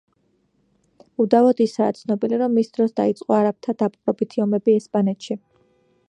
უდავოდ ისაა ცნობილი, რომ მის დროს დაიწყო არაბთა დაპყრობითი ომები ესპანეთში.